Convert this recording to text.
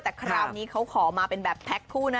แต่คราวนี้เขาขอมาเป็นแบบแพ็คคู่นะ